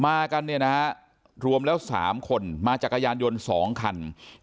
มากันเนี่ยนะฮะรวมแล้ว๓คนมาจากกายานยนต์๒คัน